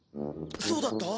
そうだった？